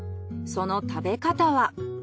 その食べ方は？